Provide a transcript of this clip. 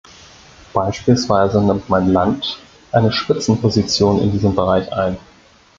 Beispielsweise nimmt mein Land eine Spitzenposition in diesem Bereich ein.